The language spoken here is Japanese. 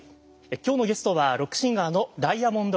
今日のゲストはロックシンガーのダイアモンドユカイさんです。